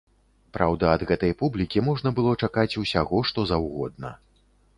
Праўда, ад гэтай публікі можна было чакаць усяго што заўгодна.